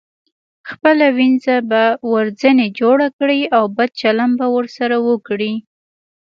خپله وينځه به ورځنې جوړه کړئ او بد چلند به ورسره وکړئ.